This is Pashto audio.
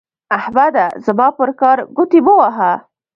احمده زما پر کار ګوتې مه وهه.